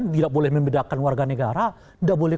tidak boleh membedakan warga negara tidak boleh